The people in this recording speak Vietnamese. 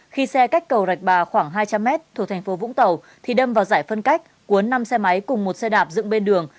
khi xe cách cầu rạch bà khoảng hai trăm linh m thuộc thành phố vũng tàu thì đâm vào giải phân cách cuốn năm xe máy cùng một xe đạp dựng bên đường